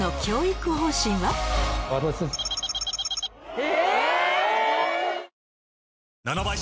え！